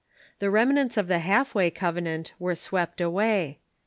The remnants of the Half way Covenant were swept away.